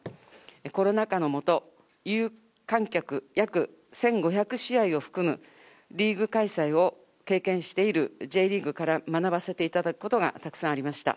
コロナ禍の下、有観客、約１５００試合を含むリーグ開催を経験しているＪリーグから学ばせていただくことがたくさんありました。